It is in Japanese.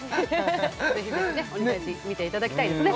ぜひぜひね「鬼タイジ」見ていただきたいですね